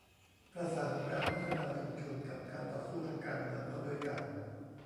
ประสานการพัฒนาชุมชนกับการต่อสู้ทางการเมืองเข้าด้วยกัน